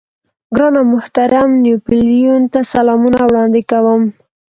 ګران او محترم نيپولېين ته سلامونه وړاندې کوم.